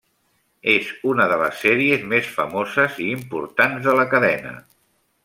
És una de les sèries més famoses i importants de la cadena.